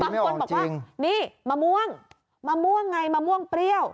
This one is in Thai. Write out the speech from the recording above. บางคนบอกว่านี่มะม่วงมะม่วงไงมะม่วงเปรี้ยว